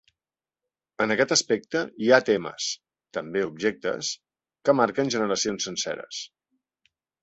En aquest aspecte hi ha temes, també objectes, que marquen generacions senceres.